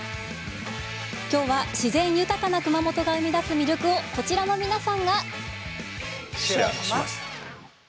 きょうは自然豊かな熊本が生み出す魅力をこちらの皆さんが。